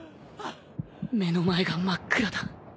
目の前が真っ暗だ